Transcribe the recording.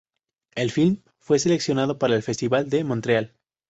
El film fue seleccionado para el Festival de Montreal.